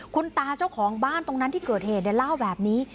คุณตาเจ้าของบ้านตรงนั้นที่เกิดเหตุเล่าแบบนี้